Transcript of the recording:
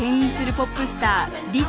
ポップスターリゾ。